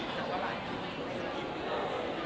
จำกว่าอะไรนะในสกิฟต์